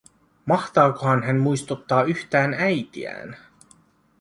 Mahtaakohan hän muistuttaa yhtään äitiään?